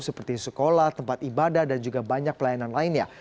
seperti sekolah tempat ibadah dan juga banyak pelayanan lainnya